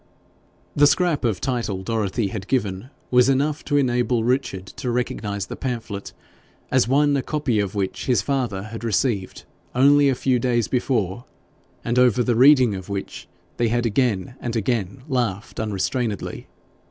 The scrap of title Dorothy had given was enough to enable Richard to recognise the pamphlet as one a copy of which his father had received only a few days before, and over the reading of which they had again and again laughed unrestrainedly.